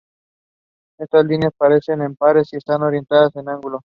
Estas líneas aparecen en pares y están orientadas en ángulo.